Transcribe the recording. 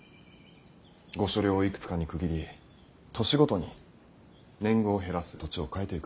御所領をいくつかに区切り年ごとに年貢を減らす土地を変えていく。